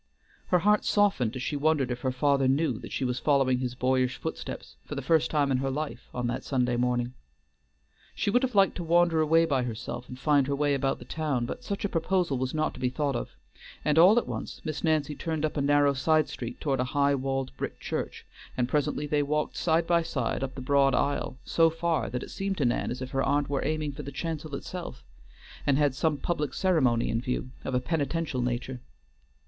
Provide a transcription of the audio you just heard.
Her heart softened as she wondered if her father knew that she was following his boyish footsteps, for the first time in her life, on that Sunday morning. She would have liked to wander away by herself and find her way about the town, but such a proposal was not to be thought of, and all at once Miss Nancy turned up a narrow side street toward a high walled brick church, and presently they walked side by side up the broad aisle so far that it seemed to Nan as if her aunt were aiming for the chancel itself, and had some public ceremony in view, of a penitential nature.